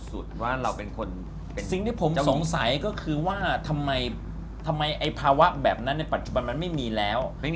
สิ่งที่ผมสงสัยก็คือว่าทำไมไอ้ภาวะแบบนั้นในปัจจุบันมันไม่มีแล้ว